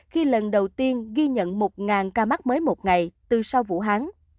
khi lần đầu tiên ghi nhận một ca mắc mới một ngày từ sau vũ hán